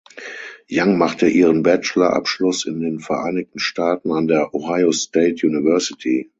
Yang machte ihren Bachelor-Abschluss in den Vereinigten Staaten an der Ohio State University.